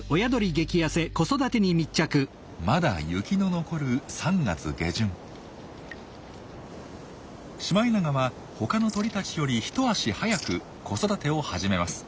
まだ雪の残るシマエナガは他の鳥たちより一足早く子育てを始めます。